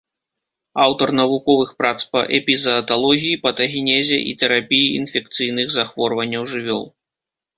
Аўтар навуковых прац па эпізааталогіі, патагенезе і тэрапіі інфекцыйных захворванняў жывёл.